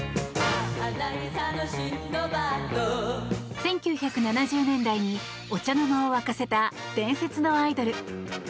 １９７０年代にお茶の間を沸かせた伝説のアイドル。